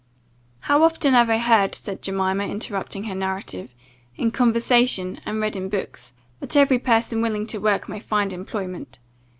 "How often have I heard," said Jemima, interrupting her narrative, "in conversation, and read in books, that every person willing to work may find employment?